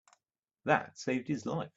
That saved his life.